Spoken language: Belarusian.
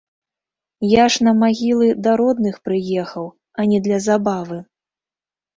Я ж на магілы да родных прыехаў, а не для забавы.